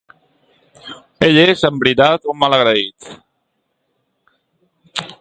Ell és, en veritat, un malagraït.